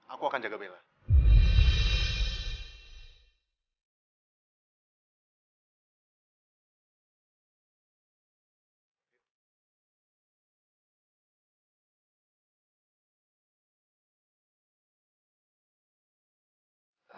aku akan jaga bella